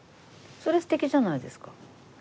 それ素敵じゃないですか。